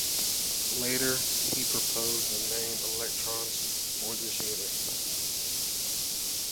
Later, he proposed the name "electron" for this unit.